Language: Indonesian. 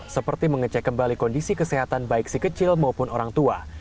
seperti mengecek kembali kondisi kesehatan baik si kecil maupun orang tua